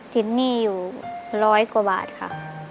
หนี้อยู่ร้อยกว่าบาทค่ะ